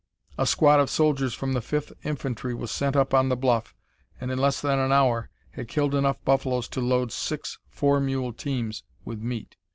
A squad of soldiers from the Fifth Infantry was sent up on the bluff, and in less than an hour had killed enough buffaloes to load six four mule teams with meat.